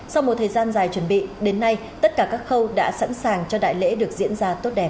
sau một thời gian dài chuẩn bị đến nay tất cả các khâu đã sẵn sàng cho đại lễ được diễn ra tốt đẹp